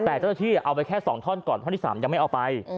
แต่เจ้าหน้าที่เอาไปแค่๒ท่อนก่อนท่อนที่๓ยังไม่เอาไป